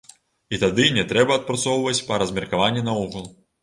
І тады не трэба адпрацоўваць па размеркаванні наогул!